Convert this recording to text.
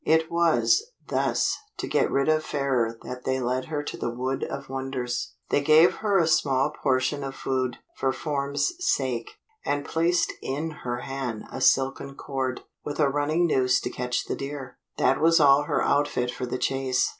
It was, thus, to get rid of Fairer that they led her to the Wood of Wonders. They gave her a small portion of food, for form's sake, and placed in her hand a silken cord, with a running noose to catch the deer. That was all her outfit for the chase.